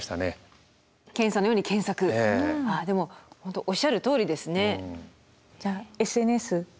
ああでも本当おっしゃるとおりですね。